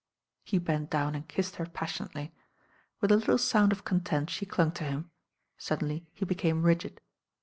He bent down and kissed her pas sionately. With a little sound of content she clung to him. Suddenly he became rigid.